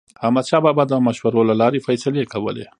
احمدشاه بابا به د مشورو له لارې فیصلې کولې.